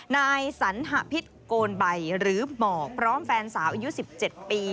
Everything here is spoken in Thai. นายสันหพิษโกนใบหรือหมอกพร้อมแฟนสาวอายุ๑๗ปี